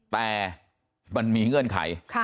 แต่มันมีเงื่อนไข